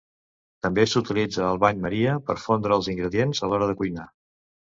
També s'utilitza el bany maria per fondre els ingredients a l'hora de cuinar.